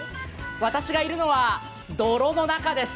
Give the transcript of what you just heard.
私がいるのは泥の中です。